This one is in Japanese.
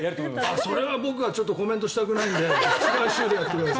それは僕はちょっとコメントしたくないんで違う日でやってください。